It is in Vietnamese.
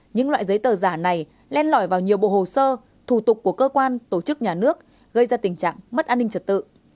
những loại giấy tờ giả này len lỏi vào nhiều bộ hồ sơ thủ tục của cơ quan tổ chức nhà nước gây ra tình trạng mất an ninh trật tự